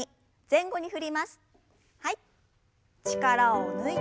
はい。